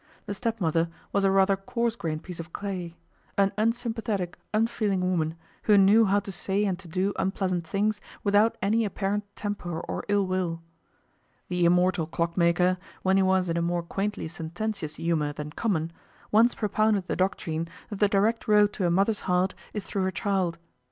The stepmother was a rather coarse grained piece of clay an unsympathetic, unfeeling woman, who knew how to say and to do unpleasant things without any apparent temper or ill will. The immortal clockmaker, when he was in a more quaintly sententious humor than common, once propounded the doctrine that the direct road to a mother's heart is through her child.